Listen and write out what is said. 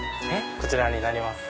こちらになります。